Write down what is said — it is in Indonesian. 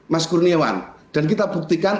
mas kurniawan dan kita buktikan